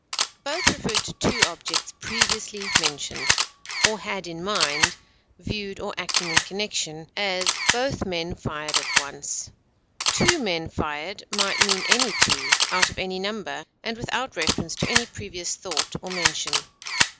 Both refers to two objects previously mentioned, or had in mind, viewed or acting in connection; as, both men fired at once; "two men fired" might mean any two, out of any number, and without reference to any previous thought or mention.